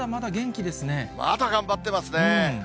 まだ頑張ってますね。